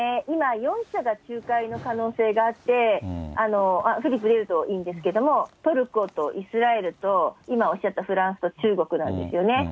今、４者が仲介の可能性があって、次増えるといいんですけど、トルコとイスラエルと、今おっしゃったフランスと中国なんですよね。